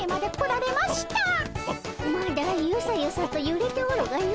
まだユサユサとゆれておるがの。